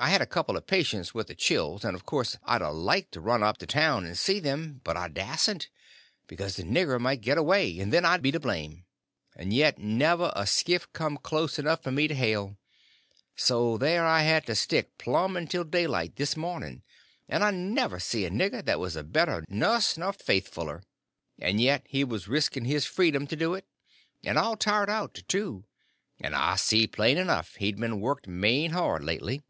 I had a couple of patients with the chills, and of course I'd of liked to run up to town and see them, but I dasn't, because the nigger might get away, and then I'd be to blame; and yet never a skiff come close enough for me to hail. So there I had to stick plumb until daylight this morning; and I never see a nigger that was a better nuss or faithfuller, and yet he was risking his freedom to do it, and was all tired out, too, and I see plain enough he'd been worked main hard lately.